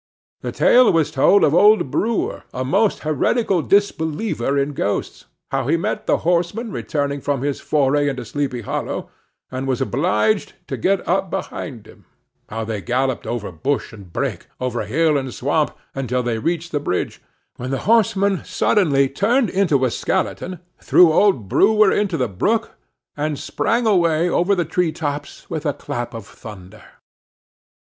The tale was told of old Brouwer, a most heretical disbeliever in ghosts, how he met the Horseman returning from his foray into Sleepy Hollow, and was obliged to get up behind him; how they galloped over bush and brake, over hill and swamp, until they reached the bridge; when the Horseman suddenly turned into a skeleton, threw old Brouwer into the brook, and sprang away over the tree tops with a clap of thunder.